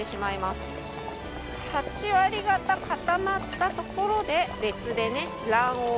８割方固まったところで別でね卵黄を。